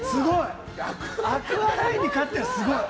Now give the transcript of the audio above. アクアラインに勝ったのはすごい。